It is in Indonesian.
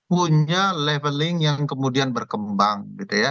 punya leveling yang kemudian berkembang